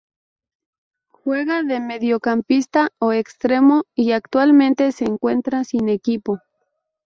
Juega de mediocampista o extremo y actualmente se encuentra sin equipo.